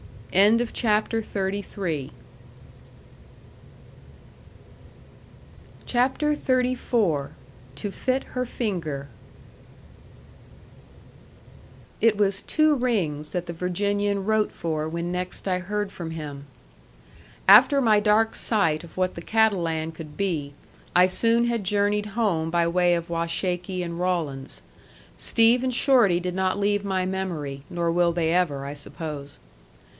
XXXIV. TO FIT HER FINGER It was two rings that the Virginian wrote for when next I heard from him. After my dark sight of what the Cattle Land could be, I soon had journeyed home by way of Washakie and Rawlins. Steve and Shorty did not leave my memory, nor will they ever, I suppose.